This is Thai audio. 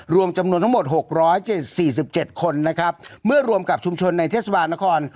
รวมจำนวนทั้งหมดหกร้อยเจ็บสี่สิบเจ็บคนนะครับเมื่อรวมกับชุมชนในเทศบาลนคร